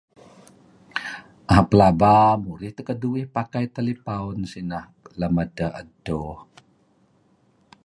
Aaa.. pelaba murih keduih pakai talipaun sineh lem edteh edto.